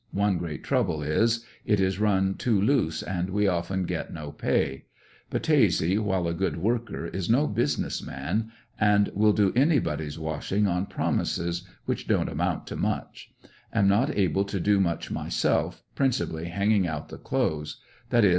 One great trouble is, it is run too loose and we often get no pay. Battese, while a good worker, is no business man, and will do any 70 ANDER80NVILLE DIARY. body's washing on promises, which don't amount to much. Am not able to do much myself, principally hanging out the clothes; that is.